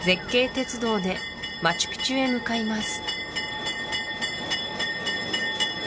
鉄道でマチュピチュへ向かいます